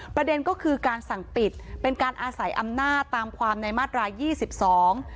ประเด็นก็คือการสั่งปิดเป็นการอาศัยอำนาจตามความในมาตรายี่สิบสอง